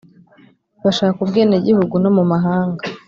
bashaka ubwene gihugu no mu mahanga